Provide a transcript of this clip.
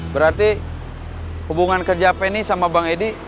berarti hubungan kerja penny sama bang edi